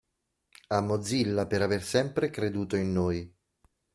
A Mozilla per aver sempre creduto in noi.